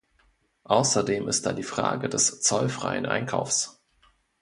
Außerdem ist da die Frage des zollfreien Einkaufs.